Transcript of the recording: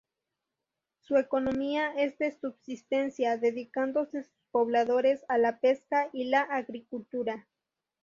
Su economía es de subsistencia, dedicándose sus pobladores a la pesca y la agricultura.